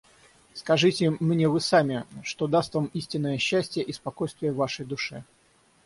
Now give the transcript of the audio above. Скажите мне вы сами, что даст вам истинное счастье и спокойствие вашей душе.